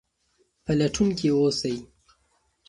پلټونکي اوسئ.